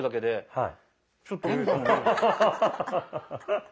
はい。